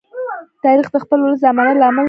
تاریخ د خپل ولس د امانت لامل دی.